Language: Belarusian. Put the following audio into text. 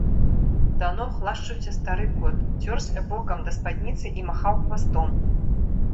Да ног лашчыўся стары кот, цёрся бокам да спадніцы і махаў хвастом.